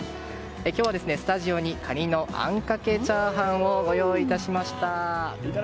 今日はスタジオにカニのあんかけチャーハンをご用意いたしました。